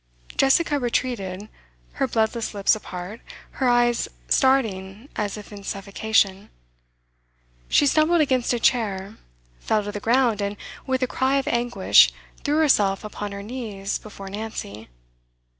Jessica retreated, her bloodless lips apart, her eyes starting as in suffocation. She stumbled against a chair, fell to the ground, and, with a cry of anguish, threw herself upon her knees before Nancy.